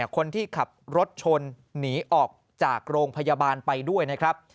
คนที่ขับรถชนหนีออกจากโรงพยาบาลไปด้วยนะครับ